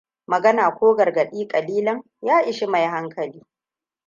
Magana ko gargaɗi ƙalilan ya ishi mai hankali.